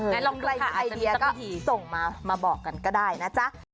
ลองใครมีไอเดียก็ดีส่งมามาบอกกันก็ได้นะจ๊ะ